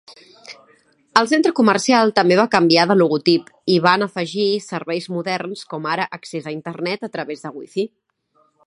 El centre comercial també va canviar de logotip i van afegir serveis moderns com ara accés a internet a través de wifi.